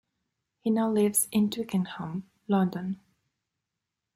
He now lives in Twickenham, London.